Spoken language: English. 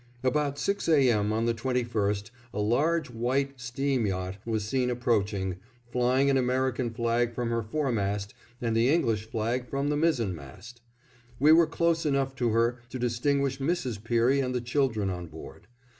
About six A. M. on the 21st, a large white, steam yacht was seen approaching, flying an American flag from her foremast and the English flag from the mizzenmast. We were close enough to her to distinguish Mrs. Peary and the children on board.